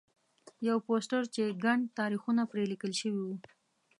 یو پوسټر چې ګڼ تاریخونه پرې لیکل شوي وو.